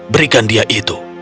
berikan dia itu